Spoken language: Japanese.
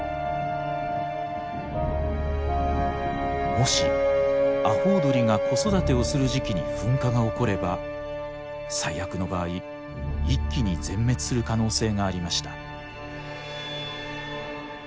もしアホウドリが子育てをする時期に噴火が起これば最悪の場合一気に全滅する可能性がありました。